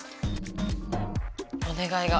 お願いが。